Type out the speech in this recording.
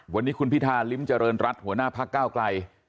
วันนี้คุณพิธาริมเจริญรัฐหัวหน้าพักก้าวไกล